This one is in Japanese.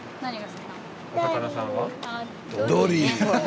魚さんは？